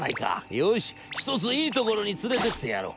よしひとついいところに連れてってやろう』。